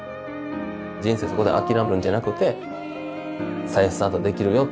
人生そこで諦めるんじゃなくて再スタートできるよ。